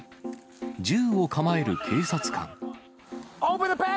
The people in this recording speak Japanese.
銃を構える警察官。